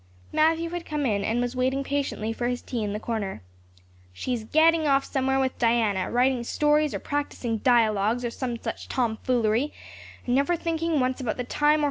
Matthew had come in and was waiting patiently for his tea in his corner. "She's gadding off somewhere with Diana, writing stories or practicing dialogues or some such tomfoolery, and never thinking once about the time or her duties.